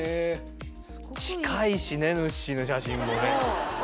近いしねぬっしーの写真もね。